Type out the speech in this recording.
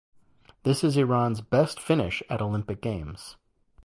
This is Iran's best finish at Olympic Games.